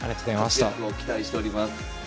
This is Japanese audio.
活躍を期待しております。